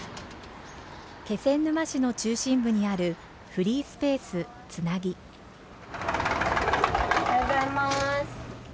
気仙沼市の中心部にあるおはようございます。